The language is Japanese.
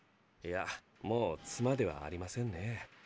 いやもう妻ではありませんねぇ。